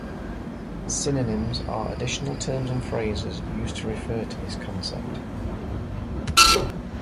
Synonyms are additional terms and phrases used to refer to this concept.